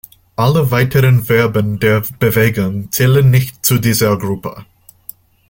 Alle weiteren Verben der Bewegung zählen nicht zu dieser Gruppe.